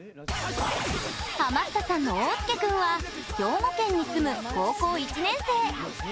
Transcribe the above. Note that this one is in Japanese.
ハマったさんの桜涼君は兵庫県に住む高校１年生。